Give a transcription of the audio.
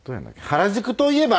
「原宿といえば？